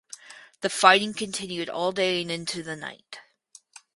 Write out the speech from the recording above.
The fighting continued all day and into the night.